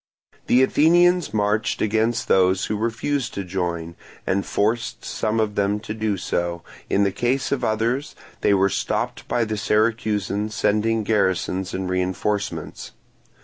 The Athenians marched against those who refused to join, and forced some of them to do so; in the case of others they were stopped by the Syracusans sending garrisons and reinforcements.